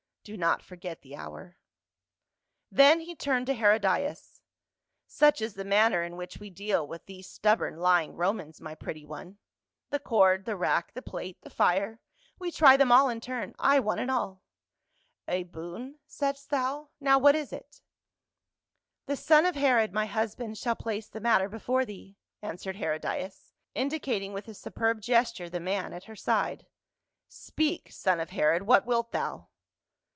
Do not forget the hour." Then he turned to Herodias, " Such is the manner in which we deal with these stubborn lying Romans, my pretty one ; the cord, the rack, the plate, the fire, we try them all in turn — ay, one and all, A boon, saidst thou, now what is it ?" CAWS, THE GOD. 163 " The son of Herod, my husband, sliall place the matter before thee," answered Ilcrodias, indicating with a superb gesture the man at her side. " Speak, son of Herod, what wilt thou